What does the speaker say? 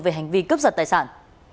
về hành vi cướp giật tài sản